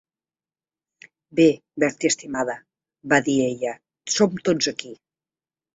"Bé, Bertie, estimada", va dir ella, "som tots aquí".